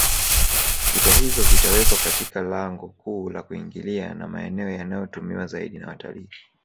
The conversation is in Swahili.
Vifaa hivyo vitawekwa Katika lango kuu la kuingilia na maeneo yanayotumiwa zaidi na watalii